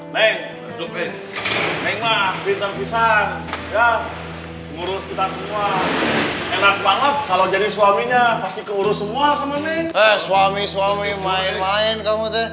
kita semua enak banget kalau jadi suaminya pasti keurusan suami suami main main kamu